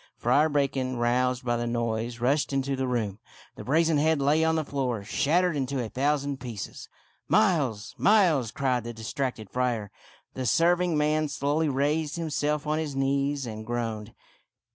Friar Bacon, roused by the noise, rushed into the room. The brazen head lay on the floor, shat tered into a thousand pieces. " Miles ! Miles !" cried the distracted friar. The serving man slowly raised himself on his knees and groaned.